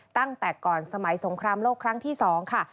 ตั้งแต่ก่อนสมัยสงครามโลกครั้งที่๒ค่ะ